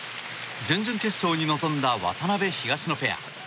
準々決勝に臨んだ渡辺、東野ペア。